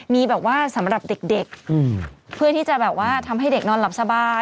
มีแบบว่าสำหรับเด็กเพื่อที่จะแบบว่าทำให้เด็กนอนหลับสบาย